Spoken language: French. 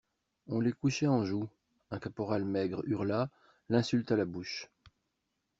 On les couchait en joue: un caporal maigre hurla, l'insulte à la bouche.